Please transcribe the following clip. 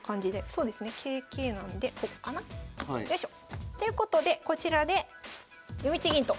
そうですね桂桂なのでここかな？よいしょ。ということでこちらで４一銀と。